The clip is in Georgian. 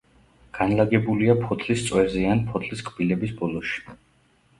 განლაგებულია ფოთლის წვერზე ან ფოთლის კბილების ბოლოში.